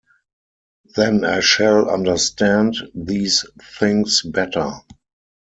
Then I shall understand these things better.